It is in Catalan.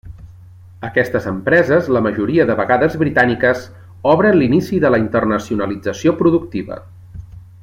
Aquestes empreses, la majoria de vegades britàniques, obren l'inici de la internacionalització productiva.